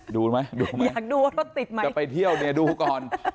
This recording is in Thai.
ดูไหมดูอยากดูว่ารถติดไหมจะไปเที่ยวเนี่ยดูก่อน